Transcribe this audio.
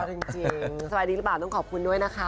เจอกันอีกนะคะ